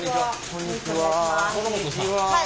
こんにちは。